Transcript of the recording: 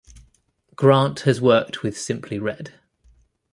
Grant has worked with Simply Red.